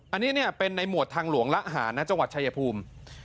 อันนี้เนี่ยเป็นในหมวดทางหลวงระหานจชัยภูมิ